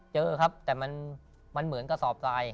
เจอครับแต่มันเหมือนกระสอบทราย